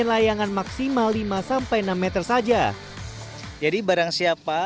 pertanding kurang lebih dua lima menit dan ketinggin layangan maksimal lima enam m saja jadi barang siapa